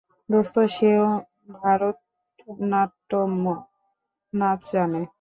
দোস্ত সেও ভারতনাট্যম নাচ জানে।